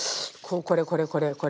これこれこれこれ。